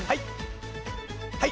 はい。